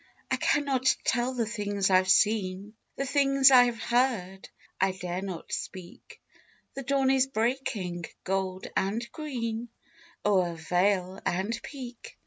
I can not tell the things I've seen, The things I've heard I dare not speak The dawn is breaking, gold and green, O'er vale and peak.